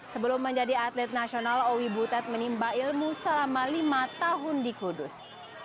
sebelum menjadi atlet nasional owi butet menimba ilmu selama lima tahun di kudus